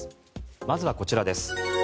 まずは、こちらです。